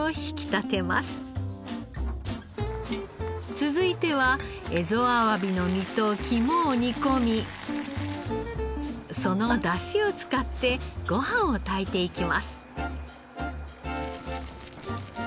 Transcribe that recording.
続いては蝦夷あわびの身と肝を煮込みそのダシを使ってご飯を炊いていきます。